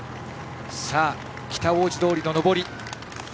北大路通の上り。